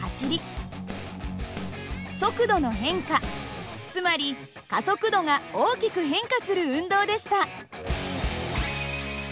速度の変化つまり加速度が大きく変化する運動でした。